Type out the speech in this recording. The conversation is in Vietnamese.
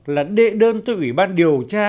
là đệ đơn tới ủy ban điều tra